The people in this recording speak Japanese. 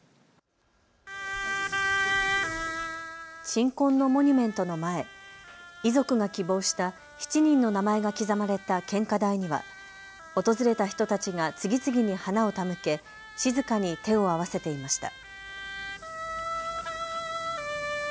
鎮魂のモニュメントの前、遺族が希望した７人の名前が刻まれた献花台には訪れた人たちが次々に花を手向け静かに手を合わせていました。